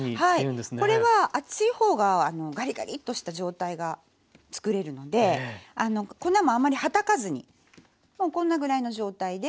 これは厚い方がガリガリッとした状態が作れるので粉もあまりはたかずにもうこんなぐらいの状態で。